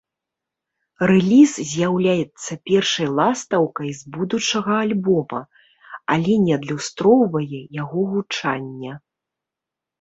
Рэліз з'яўляецца першай ластаўкай з будучага альбома, але не адлюстроўвае яго гучання.